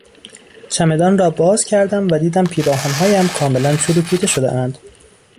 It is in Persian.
چمدان را باز کردم و دیدم پیراهنهایم کاملا چروکیده شدهاند.